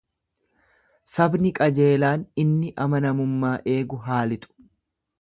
Sabni qajeelaan inni amanamummaa eegu haa lixu.